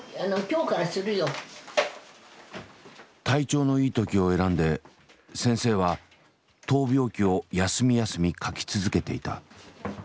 体調のいい時を選んで先生は闘病記を休み休み書き続けていた。